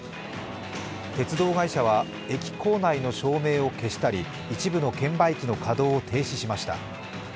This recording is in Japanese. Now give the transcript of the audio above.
鉄道会社は駅構内の照明を消したり一部の券売機の稼働を停止しました。